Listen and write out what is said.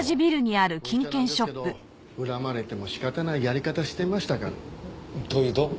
こう言っちゃなんですけど恨まれても仕方ないやり方してましたから。というと？